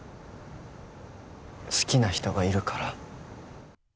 好きな人がいるから。